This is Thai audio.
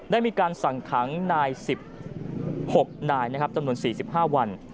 ได้มีการสั่งขังนาย๑๖นายนะครับจำนวน๔๕วัน